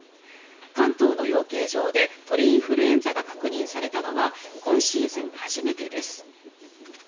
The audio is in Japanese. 関東の養鶏場で鳥インフルエンザが確認されたのは今シーズン初めてです。